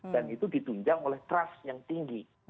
dan itu ditunjang oleh trust yang tinggi